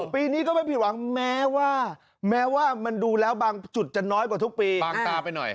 ปีนี้ก็ไม่ผิดหวังแม้ว่ามันดูแล้วบางจุดจะน้อยกว่าทุกปี